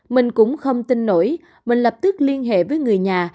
mình cũng không tin nổi mình lập tức liên hệ với người nhà